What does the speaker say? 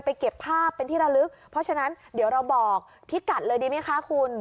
เก็บภาพเป็นที่ระลึกเพราะฉะนั้นเดี๋ยวเราบอกพี่กัดเลยดีไหมคะคุณ